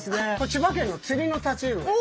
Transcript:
千葉県の釣りのタチウオで。